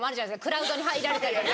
クラウドに入られたりとか。